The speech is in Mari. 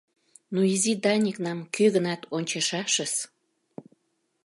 Но изи Даникнам кӧ-гынат ончышашыс.